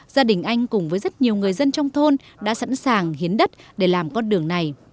gia đình anh cùng với rất nhiều người dân trong thôn đã sẵn sàng hiến đất để làm con đường này